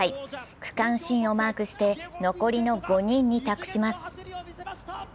区間新をマークして残りの５人に託します。